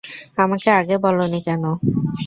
আমাকে আগে বলোনি কেন?